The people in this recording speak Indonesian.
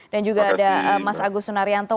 dan juga ada mas agus sunarianto